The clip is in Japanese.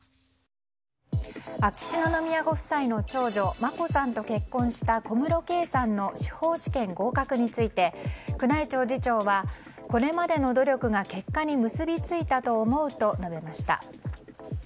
秋篠宮ご夫妻の長女眞子さんと結婚した小室圭さんの司法試験合格について宮内庁次長はこれまでの努力が結果に結びついたと思うと述べました。